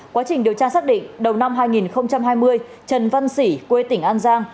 quá trình điều tra xác định đầu năm hai nghìn hai mươi trần văn sĩ quê tỉnh an giang